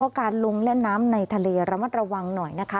การลงเล่นน้ำในทะเลระมัดระวังหน่อยนะคะ